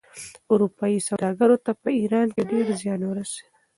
اروپايي سوداګرو ته په ایران کې ډېر زیان ورسېد.